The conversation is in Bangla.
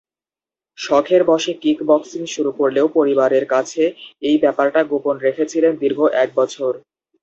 শখের বশে কিক বক্সিং শুরু করলেও পরিবারের কাছে এই ব্যাপারটা গোপন রেখেছিলেন দীর্ঘ এক বছর।